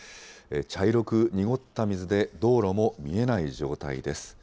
茶色く濁った水で道路も見えない状態です。